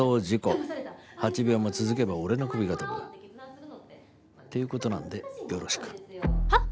８秒も続けば俺の首が飛ぶ。っていう事なんでよろしく。はあ！？